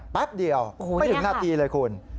แป๊บเดียวไม่ถึงนาทีเลยคุณ